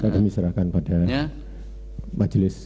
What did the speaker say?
kami serahkan pada majelis